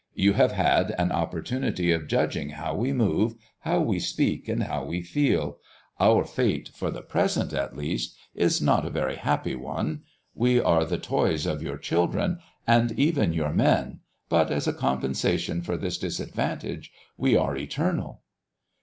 You have had an opportunity of judging how we move, how we speak, and how we feel. Our fate, for the present at least, is not a very happy one. We are the toys of your children, and even your men, but as a compensation for this disadvantage we are eternal."